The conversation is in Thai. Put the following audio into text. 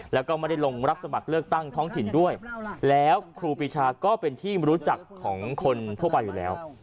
แล้วก็ไม่ได้ลงรับสมัครเลือกตั้งท้องถิ่นด้วยแล้วครูปีชาก็เป็นที่รู้จักของคนทั่วไปอยู่แล้ว